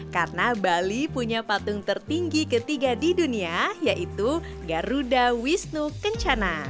karena bali punya patung tertinggi ketiga di dunia yaitu garuda wisnu kencana